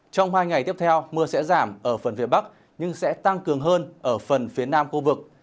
trong hai ngày tiếp theo mưa sẽ giảm ở phần phía bắc nhưng sẽ tăng cường hơn ở phần phía nam khu vực